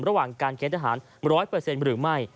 ระหว่างการเกณฑ์ทหาร๑๐๐หรือไม่